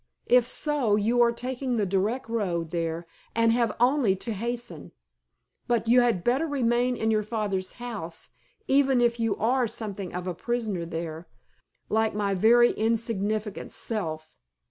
"If so, you are taking the direct road there and have only to hasten. But you had better remain in your father's house; even if you are something of a prisoner there, like my very insignificant self.